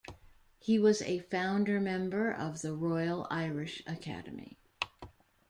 He was a founder-member of the Royal Irish Academy.